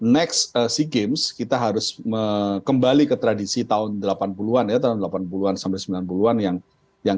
next sea games kita harus kembali ke tradisi tahun delapan puluh an ya tahun delapan puluh an sampai sembilan puluh an yang yang